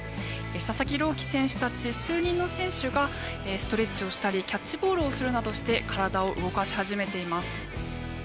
佐々木朗希選手たち数人の選手がストレッチをしたりキャッチボールをするなどして体を動かし始めています。